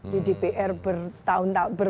jadi pr bertahun tahun